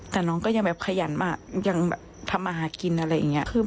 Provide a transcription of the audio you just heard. แต่น้องก็ยังแบบขยันมากยังแบบทำมาหากินอะไรอย่างนี้